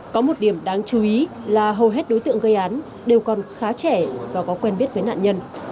có một điểm đáng chú ý là hầu hết đối tượng gây án đều còn khá trẻ và có quen biết với nạn nhân